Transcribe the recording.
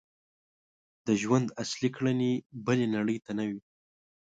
د ژوند اصلي کړنې بلې نړۍ ته نه وي.